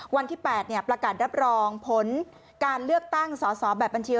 วันที่๘ประกาศรับรองผลการเลือกตั้งสอสอแบบบัญชี